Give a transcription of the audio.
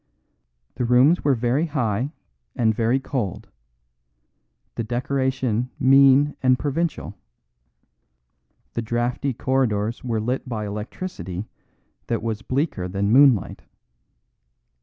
The rooms were very high and very cold; the decoration mean and provincial; the draughty corridors were lit by electricity that was bleaker than moonlight.